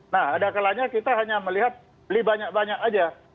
nah ada kalanya kita hanya melihat beli banyak banyak aja